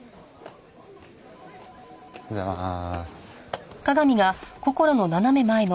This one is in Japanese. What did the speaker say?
おはようございまーす。